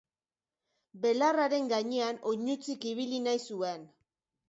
Belarraren gainean oinutsik ibili nahi zuen.